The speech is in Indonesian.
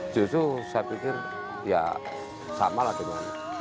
justru saya pikir ya sama lah dengan ini